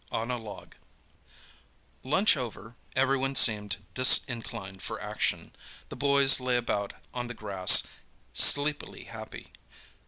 ON A LOG Lunch over, everyone seemed disinclined for action. The boys lay about on the grass, sleepily happy.